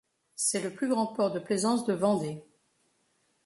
C'est le plus grand port de plaisance de Vendée.